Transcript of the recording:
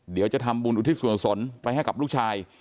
เดี๋ยวจะทำบุญอุทิศส่วนกุศลไปให้กับลูกชาย